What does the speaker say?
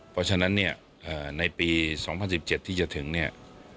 เพราะฉะนั้นเนี่ยในปี๒๐๑๗ที่จะถึงเนี่ย